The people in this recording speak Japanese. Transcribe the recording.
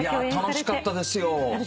楽しかったですか？